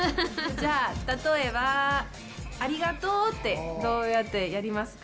じゃあ、例えば「ありがとう」ってどうやってやりますか？